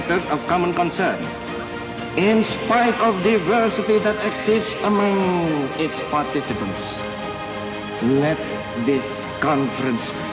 biarkan konferensi ini menjadi sukses yang besar